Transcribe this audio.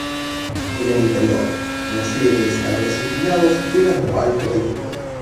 En el interior, una serie de escalones inclinados llevan a lo alto del muro.